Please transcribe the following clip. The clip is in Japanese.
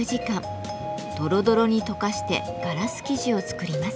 ドロドロに溶かしてガラス素地を作ります。